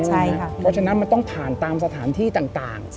เพราะฉะนั้นมันต้องผ่านตามสถานที่ต่าง